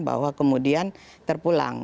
bahwa kemudian terpulang